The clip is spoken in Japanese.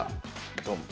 ドン。